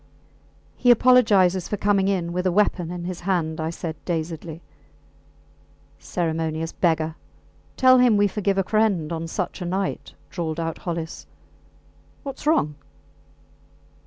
He apologizes for coming in with a weapon in his hand, I said, dazedly. Ceremonious beggar. Tell him we forgive a friend ... on such a night, drawled out Hollis. Whats wrong?